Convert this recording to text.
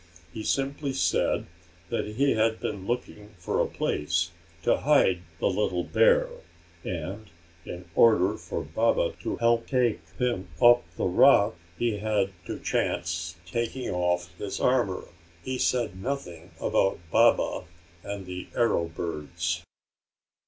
He simply said that he had been looking for a place to hide the little bear and, in order for Baba to help take him up the rock, he had had to chance taking off his armor. He said nothing about Baba and the arrow birds.